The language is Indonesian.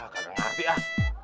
gak ngerti ah